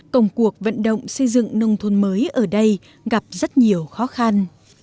công cuộc vận động xây dựng nông thôn mới ở đây gặp rất nhiều khó khăn